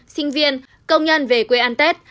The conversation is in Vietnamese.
sinh viên công nhân về quê ăn tết